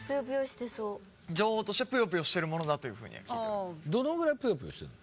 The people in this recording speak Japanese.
情報としてプヨプヨしてるものだというふうには聞いてます